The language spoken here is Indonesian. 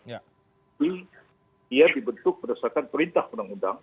jadi dia dibentuk berdasarkan perintah undang undang